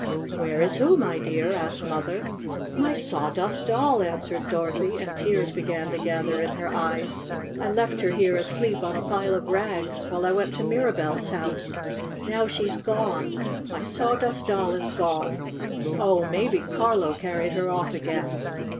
"Where is who, my dear?" asked Mother. "My Sawdust Doll," answered Doro thy, and tears began to gather in her eyes. "I left her here asleep on a pile of rags while I went to Mirabell's house. Now she's gone! My Sawdust Doll is gone! Oh, maybe Carlo carried her off again!"